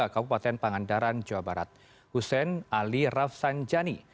kabupaten pangandaran jawa barat hussein ali rafsanjani